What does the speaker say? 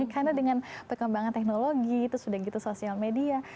karena dengan perkembangan teknologi terus sudah gitu social media